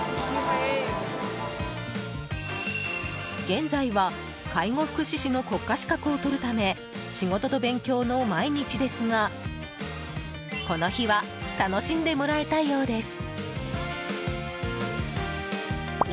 現在は介護福祉士の国家資格を取るため仕事と勉強の毎日ですがこの日は楽しんでもらえたようです。